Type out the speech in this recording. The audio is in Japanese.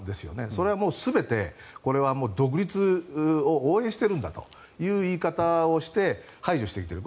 それは全て独立を応援しているんだという言い方をして排除してきている。